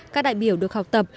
các đại biểu được học tập